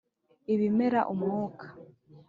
ibimera, umwuka,…